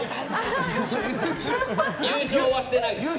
優勝はしてないです。